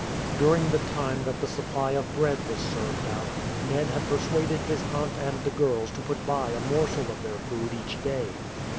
During the time that the supply of bread was served out Ned had persuaded his aunt and the girls to put by a morsel of their food each day.